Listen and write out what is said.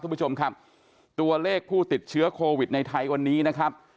คุณผู้ชมครับตัวเลขผู้ติดเชื้อโควิดในไทยวันนี้นะครับ